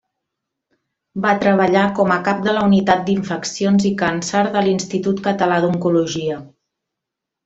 Va treballar com a cap de la Unitat d'Infeccions i Càncer de l'Institut Català d'Oncologia.